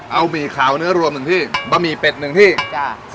เอาหมี่ขาวเนื้อรวมหนึ่งที่บะหมี่เป็ดหนึ่งที่จ้ะ